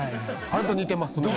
あれと似てますね。